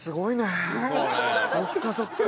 そっかそっか。